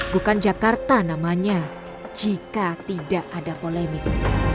bukan jakarta namanya jika tidak ada polemik